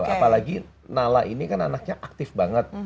apalagi nala ini kan anaknya aktif banget